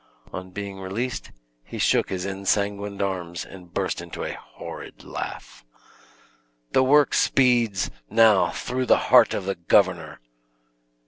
On being released, he shook his ensanguined arms, and burst into a horrid laugh. "The work speeds! Now through the heart of the governor!"